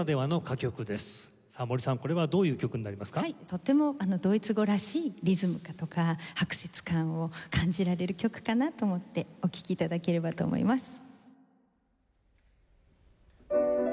とってもドイツ語らしいリズムだとか拍節感を感じられる曲かなと思ってお聴き頂ければと思います。